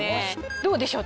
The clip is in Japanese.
どうでしょう？